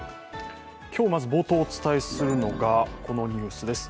今日まず冒頭お伝えするのが、このニュースです。